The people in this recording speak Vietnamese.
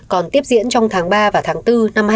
còn tiếp diễn trong tháng ba và tháng bốn năm hai nghìn hai mươi